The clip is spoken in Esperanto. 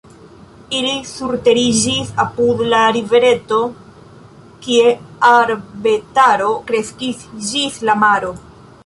Ili surteriĝis apud la rivereto, kie arbetaro kreskis ĝis la maro.